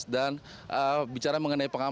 dan bicara mengenai pakansari